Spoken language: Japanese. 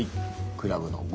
クラブの５。